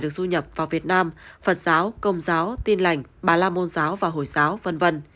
được du nhập vào việt nam phật giáo công giáo tin lành bà la môn giáo và hồi giáo v v